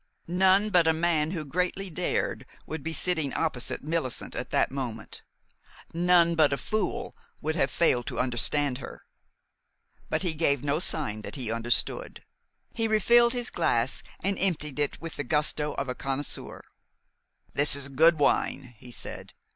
None but a man who greatly dared would be sitting opposite Millicent at that moment. None but a fool would have failed to understand her. But he gave no sign that he understood. He refilled his glass, and emptied it with the gusto of a connoisseur. "That is a good wine," he said.